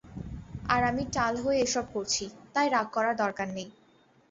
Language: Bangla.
আর আমি টাল হয়ে এসব করছি, তাই রাগ করার দরকার নেই।